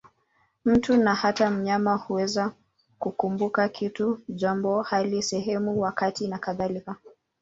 Mtu, na hata mnyama, huweza kukumbuka kitu, jambo, hali, sehemu, wakati nakadhalika.